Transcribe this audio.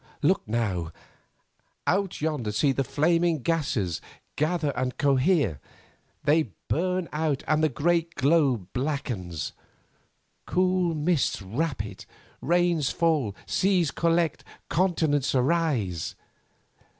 Look now! Out yonder see the flaming gases gather and cohere. They burn out and the great globe blackens. Cool mists wrap it, rains fall, seas collect, continents arise.